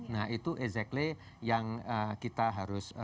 nah itu exactly yang kita harus